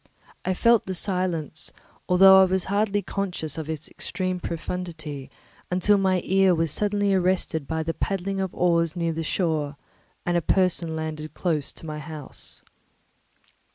I felt the silence, although I was hardly conscious of its extreme profundity, until my ear was suddenly arrested by the paddling of oars near the shore, and a person landed close to my house.